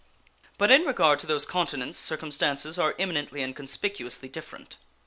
But in regard to those continents circumstances are eminently and conspicuously different.